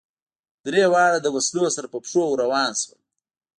درېواړه له وسلو سره په پښو ور روان شول.